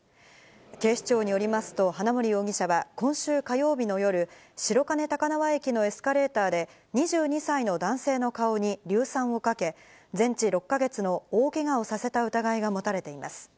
警視庁によりますと、花森容疑者は今週火曜日の夜、白金高輪駅のエスカレーターで、２２歳の男性の顔に硫酸をかけ、全治６か月の大けがをさせた疑いが持たれています。